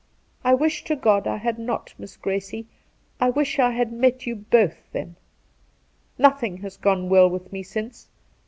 I wish to God I had not, Miss Gracie ; I wish I had met you both then. Nothing has gone well with me since.